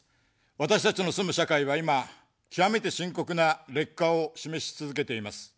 私たちの住む社会は、今極めて深刻な劣化を示し続けています。